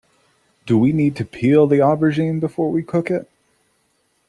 Do we need to peel the aubergine before we cook it?